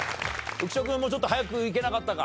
浮所君もうちょっと早くいけなかったか？